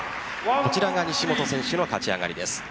こちらが西本選手の勝ち上がりです。